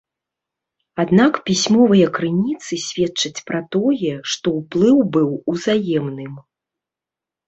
Аднак пісьмовыя крыніцы сведчаць пра тое, што ўплыў быў узаемным.